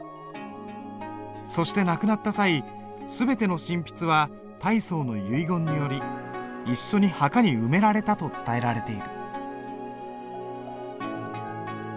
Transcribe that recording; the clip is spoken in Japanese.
そして亡くなった際全ての真筆は太宗の遺言により一緒に墓に埋められたと伝えられている。